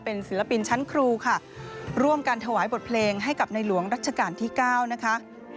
ศิลปินชั้นครูค่ะร่วมกันถวายบทเพลงให้กับในหลวงรัชกาลที่๙นะคะ